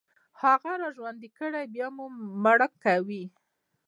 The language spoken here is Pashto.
خو هغه راژوندي كړئ، بيا مو مړه کوي